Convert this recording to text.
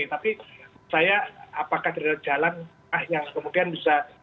tapi saya apakah terdapat jalan yang kemudian bisa